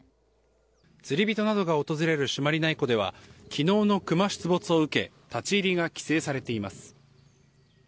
釣り人などが訪れる朱鞠内湖では昨日のクマ出没を受け立ち入りが規制されています。